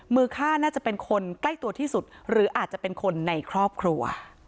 มือฆ่าน่าจะเป็นคนใกล้ตัวที่สุดหรืออาจจะเป็นคนในครอบครัว